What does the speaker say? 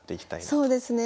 そうですね。